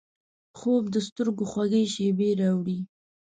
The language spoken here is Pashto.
خوب د سترګو خوږې شیبې راوړي